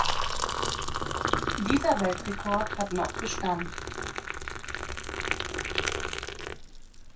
Dieser Weltrekord hat noch Bestand.